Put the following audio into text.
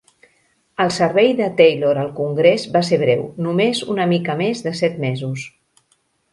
El servei de Taylor al Congrés va ser breu, només una mica més de set mesos.